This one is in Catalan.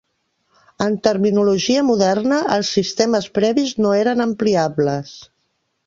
En terminologia moderna, els sistemes previs no eren "ampliables".